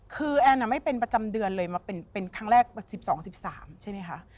คือแอนไม่เป็นประจำเดือนเลยมาเป็นครั้งแรก๑๒๑๓ใช่ไหมคะ